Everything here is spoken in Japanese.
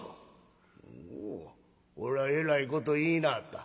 「おうこらえらいこと言いなはった。